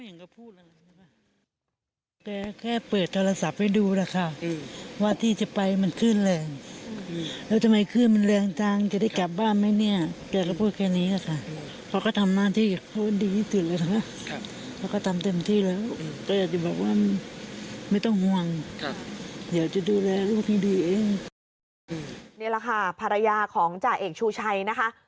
นี่แหละค่ะภรรยาของจ่าเอกชูชัยนะคะ